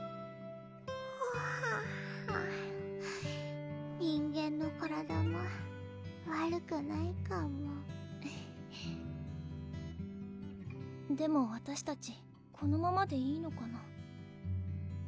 ふわぁ人間の体も悪くないかもフフでもわたしたちこのままでいいのかな？